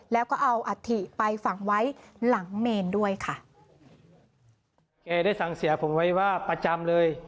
แล้วก็เอาอัฐิไปฝังไว้หลังเมนด้วยค่ะแกได้สั่งเสียผมไว้ว่าประจำเลย